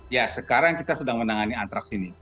ya sekarang kita sedang menangani antraks ini